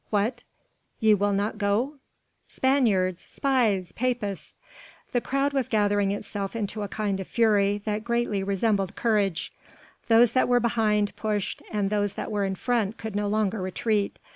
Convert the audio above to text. What, ye will not go?" "Spaniards! Spies! Papists!" The crowd was gathering unto itself a kind of fury that greatly resembled courage. Those that were behind pushed and those that were in front could no longer retreat.